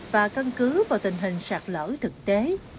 và căn cứ vào tình hình sạt lở thực tế